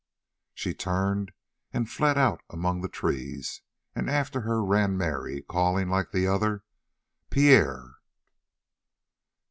She turned and fled out among the trees, and after her ran Mary, calling, like the other: "Pierre!"